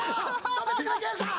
止めてくれおげんさん！